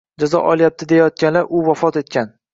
Jazo olyapti deyayotganlar, u vafot etgan.